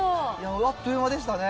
あっという間でしたね。